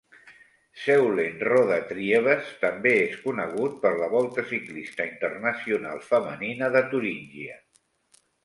Zeulenroda-Triebes també és conegut per la Volta ciclista internacional femenina de Turíngia.